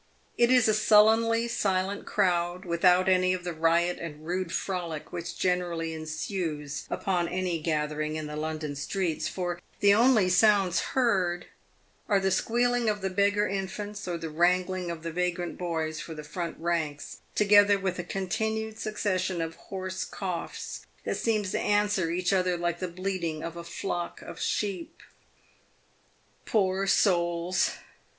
It is a sullenly silent crowd, without any of the riot and rude frolic which generally ensues upon any gathering in the London streets ; for the only sounds heard are the squealing of the beggar infants, or the wrangling of the vagrant boys for the front ranks, together with a continued succession of hoarse coughs, that seem to answer each other like the bleating of a flock of sheep. Poor souls